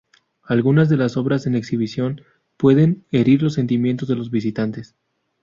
Algunas de las obras en exhibición pueden herir los sentimientos de los visitantes".